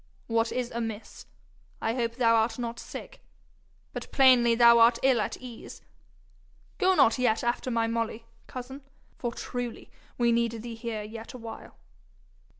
What is amiss? I hope thou art not sick but plainly thou art ill at ease! Go not yet after my Molly, cousin, for truly we need thee here yet a while.'